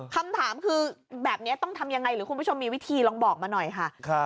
คำถามคือแบบนี้ต้องทำยังไงหรือคุณผู้ชมมีวิธีลองบอกมาหน่อยค่ะ